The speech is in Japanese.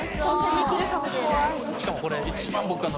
しかもこれ。